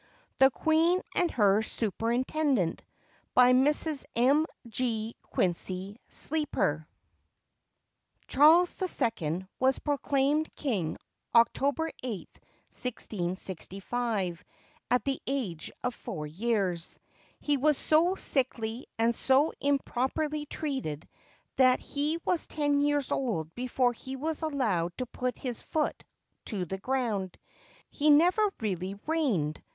THE QUEEN AND HER SUPERINTENDENT BY MRS. M. G. QUINCY SLEEPER Charles II was proclaimed king October 8, 1665, at the age of four years. He was so sickly and so improperly treated that he was ten years old before he was allowed to put his foot to the ground. He never really reigned.